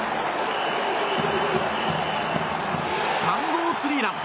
３号スリーラン。